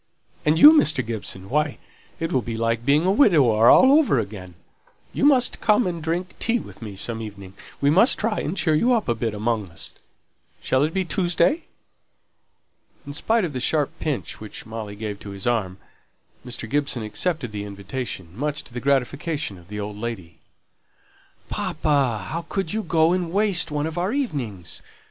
"And you, Mr. Gibson; why, it'll be like being a widower over again! You must come and drink tea with me some evening. We must try and cheer you up a bit amongst us. Shall it be Tuesday?" In spite of the sharp pinch which Molly gave to his arm, Mr. Gibson accepted the invitation, much to the gratification of the old lady. "Papa, how could you go and waste one of our evenings!